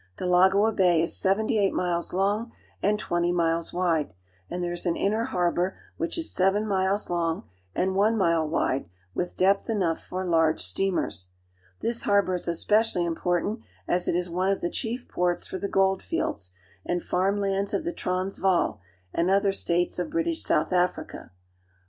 Del agoa Bay is seventy eight miles long and twenty miles wide, and there is an inner harbor which is seven miles long and one mile wide with depth enough for large steamers. This harbor is especially important, as it is one of the chief ports for the gold fields and farm lands of the Transvaal (trans vaF) and other states of British South Africa.